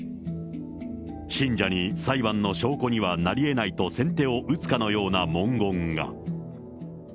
信者に裁判の証拠にはなりえないと先手を打つかのような文言が。